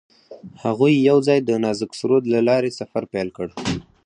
هغوی یوځای د نازک سرود له لارې سفر پیل کړ.